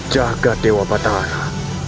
jaga dewa batara